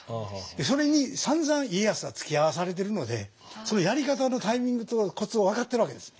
それにさんざん家康はつきあわされてるのでそのやり方のタイミングとコツを分かってるわけですね。